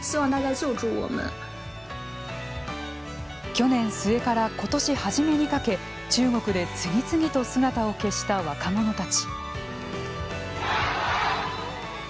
去年末から今年初めにかけ中国で次々と姿を消した若者たち。